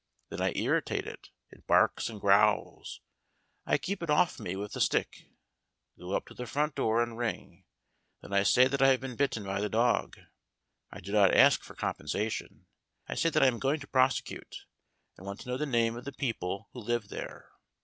Then I irritate it it barks and growls. I keep it off me with the stick, go up to the front door and ring ; then I say that I have been bitten by the dog. I do not ask for compensation I say that I am going to prosecute, and want to know the name of the people who live there.